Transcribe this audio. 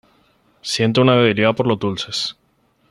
Siente una debilidad por los dulces.